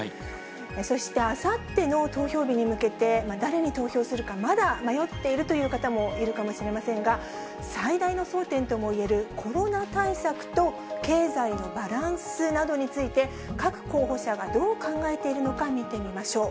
そしてあさっての投票日に向けて、誰に投票するか、まだ迷っているという方もいるかもしれませんが、最大の争点ともいえる、コロナ対策と経済のバランスなどについて、各候補者がどう考えているのか見てみましょう。